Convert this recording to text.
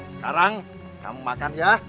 sekarang kamu makan ya